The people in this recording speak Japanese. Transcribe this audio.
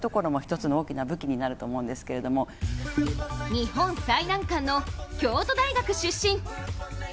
日本最難関の京都大学出身。